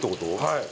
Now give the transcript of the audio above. はい。